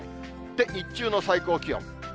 で、日中の最高気温。